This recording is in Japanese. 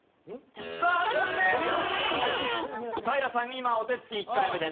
今お手つき１回目です。